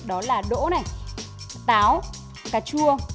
đó là đỗ này táo cà chua